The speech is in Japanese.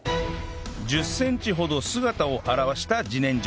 １０センチほど姿を現した自然薯